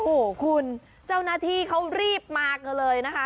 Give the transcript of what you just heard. โอ้โหคุณเจ้าหน้าที่เขารีบมากันเลยนะคะ